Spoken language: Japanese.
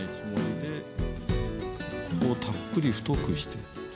ここをたっぷり太くして。